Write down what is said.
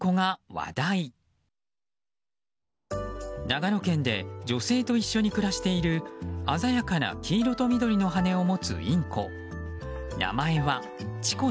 長野県で女性と一緒に暮らしている鮮やかな黄色と緑の羽根を持つインコ。